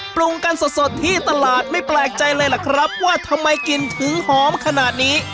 ปรุงกันสดที่ตลาดไม่แปลกใจเลยล่ะครับว่าทำไมกลิ่นถึงหอมขนาดนี้